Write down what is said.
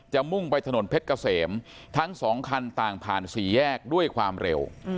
มุ่งไปถนนเพชรเกษมทั้งสองคันต่างผ่านสี่แยกด้วยความเร็ว